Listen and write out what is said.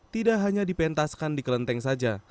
tidak hanya dipentaskan di kelenteng saja